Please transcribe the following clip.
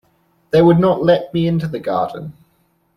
They would not let me into the garden.